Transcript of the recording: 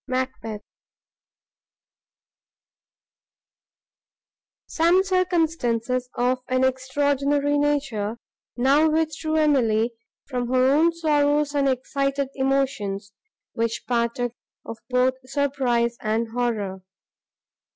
MACBETH Some circumstances of an extraordinary nature now withdrew Emily from her own sorrows, and excited emotions, which partook of both surprise and horror.